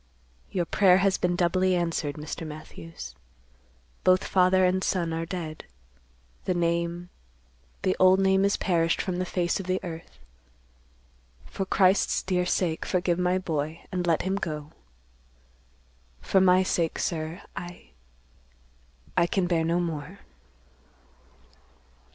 Your prayer has been doubly answered, Mr. Matthews. Both father and son are dead. The name—the old name is perished from the face of the earth. For Christ's dear sake, forgive my boy, and let him go. For my sake, sir, I—I can bear no more."